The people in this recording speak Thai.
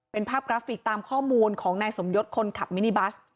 เป็นภาพกราฟิกตามข้อมูลของนายสมยศคนขับมินิบัส